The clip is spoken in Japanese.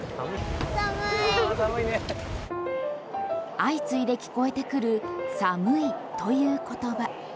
相次いで聞こえてくる寒いという言葉。